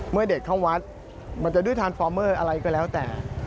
เมื่อเด็กเข้าวัดมันจะด้วยทานฟอร์เมอร์อะไรก็แล้วแต่